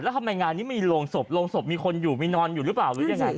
แล้วทำไมงานนี้มีโรงศพโรงศพมีคนอยู่มีนอนอยู่หรือเปล่าหรือยังไง